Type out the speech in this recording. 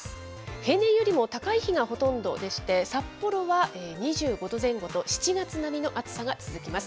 平年よりも高い日がほとんどでして、札幌は２５度前後と、７月並みの暑さが続きます。